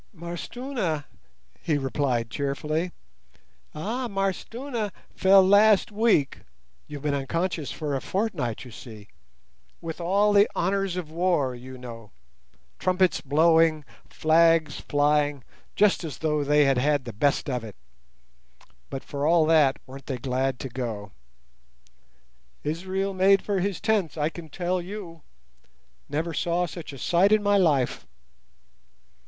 "M'Arstuna," he replied cheerfully. "Ah, M'Arstuna fell last week—you've been unconscious for a fortnight, you see—with all the honours of war, you know—trumpets blowing, flags flying, just as though they had had the best of it; but for all that, weren't they glad to go. Israel made for his tents, I can tell you—never saw such a sight in my life."